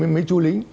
mới chui lính